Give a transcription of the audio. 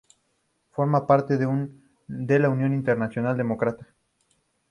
Forma parte de la Unión Internacional Demócrata.